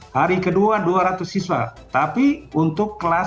hari kedua dua ratus siswa tapi untuk kelas satu